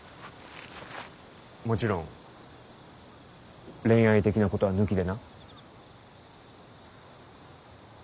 もちろん恋愛的なことは抜きでな。